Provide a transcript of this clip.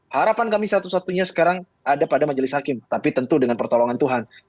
harapan kami satu satunya sekarang ada pada majelis hakim tapi tentu dengan pertolongan tuhan